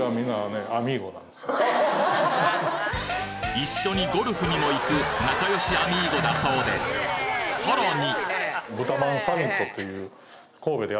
一緒にゴルフにも行く仲良しアミーゴだそうですさらに！